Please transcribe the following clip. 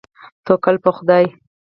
توکل په خدای.